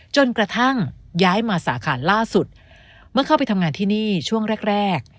จนกระทั่งย้ายมาสาขาล่าสุดเมื่อเข้าไปทำงานที่นี่ช่วงแรกแรก